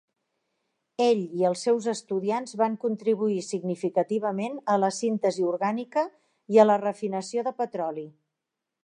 Ell i els seus estudiants van contribuir significativament a la síntesi orgànica i a la refinació de petroli.